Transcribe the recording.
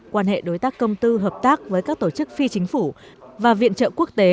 quan hệ đối tác công tư hợp tác với các tổ chức phi chính phủ và viện trợ quốc tế